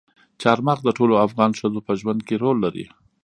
چار مغز د ټولو افغان ښځو په ژوند کې رول لري.